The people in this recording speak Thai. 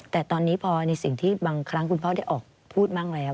แต่ตอนนี้พอในสิ่งที่บางครั้งคุณพ่อได้ออกพูดบ้างแล้ว